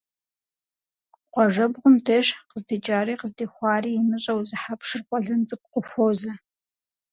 Къуажэбгъум деж, къыздикӏари къыздихуари имыщӏэу зы хьэпшыр къуэлэн цӏыкӏу къыхуозэ.